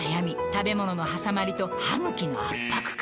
食べ物のはさまりと歯ぐきの圧迫感